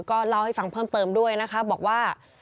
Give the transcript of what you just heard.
ก็เล่าให้ฟังเพิ่มเติมด้วยนะคะบอกว่า